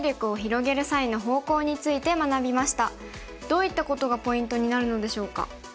どういったことがポイントになるのでしょうか。